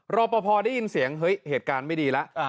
รอปภได้ยินเสียงเฮ้ยเหตุการณ์ไม่ดีแล้ว